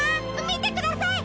みてください！